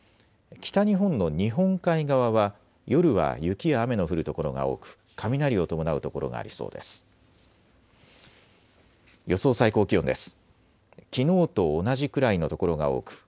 北日本の日本海側は夜は雪や雨の降る所が多く雷を伴う所がありそうです。